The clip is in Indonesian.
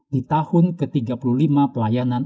di tahun ke tiga puluh lima pelayanan